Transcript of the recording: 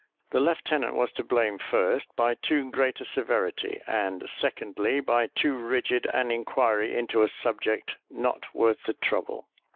The lieutenant was to blame, first, by too great a severity; and, secondly, by too rigid an inquiry into a subject not worth the trouble.